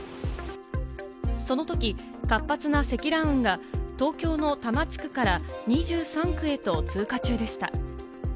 そのとき活発な積乱雲が東京の多摩地区から２３区へと通過中でした。